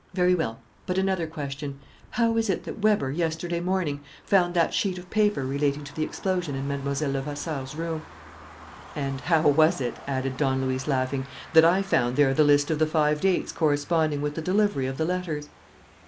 "Very well. But another question: how is it that Weber, yesterday morning, found that sheet of paper relating to the explosion in Mlle. Levasseur's room?" "And how was it," added Don Luis, laughing, "that I found there the list of the five dates corresponding with the delivery of the letters?"